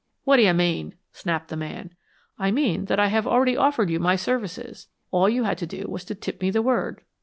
"What do you mean?" snapped the man. "I mean that I have already offered you my services. All you had to do was to tip me the word."